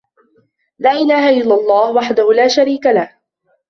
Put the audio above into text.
لا إله إلا الله وحده لا شريك له